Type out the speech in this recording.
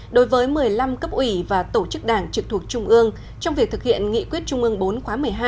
đối với một mươi năm cấp ủy và tổ chức đảng trực thuộc trung ương trong việc thực hiện nghị quyết trung ương bốn khóa một mươi hai